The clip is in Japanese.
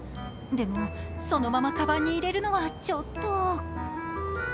でも、そのままカバンに入れるのはちょっと。